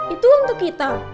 itu untuk kita